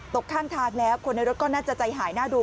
ตกข้างทางแล้วคนในรถก็น่าจะใจหายหน้าดู